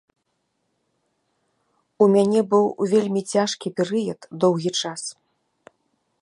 У мяне быў вельмі цяжкі перыяд доўгі час.